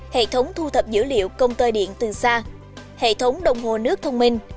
hệ thống thu thập dữ liệu công tơ điện từ xa hệ thống đồng hồ nước thông minh